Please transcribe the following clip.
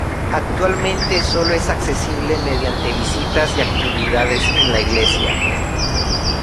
Actualmente sólo es accesible mediante visitas y actividades en la iglesia.